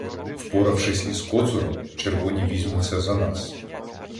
Впоравшись із Коцуром, червоні візьмуться за нас.